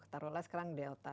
taruhlah sekarang delta